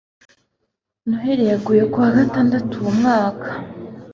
noheri yaguye ku wa gatandatu uwo mwaka